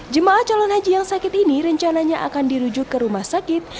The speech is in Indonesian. jemaah calon haji yang sakit ini rencananya akan dirujuk ke rumah sakit